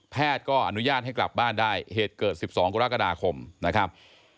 แพทย์ก็อนุญาตให้กลับบ้านได้เหตุเกิดสิบสองกุฎากระดาษคมนะครับ